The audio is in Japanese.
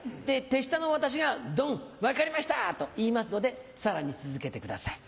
手下の私が「ドン分かりました」と言いますのでさらに続けてください。